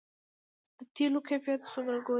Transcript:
د تیلو کیفیت څوک ګوري؟